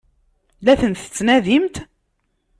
La ten-tettnadimt?